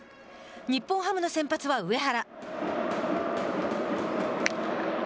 日本ハムの先発は上原。